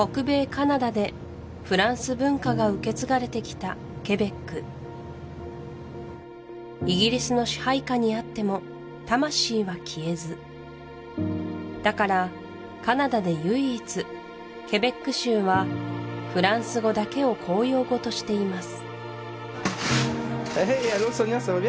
カナダでフランス文化が受け継がれてきたケベックイギリスの支配下にあっても魂は消えずだからカナダで唯一ケベック州はフランス語だけを公用語としています